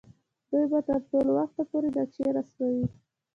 دوی به تر هغه وخته پورې نقشې رسموي.